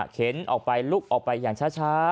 ออกไปลุกออกไปอย่างช้า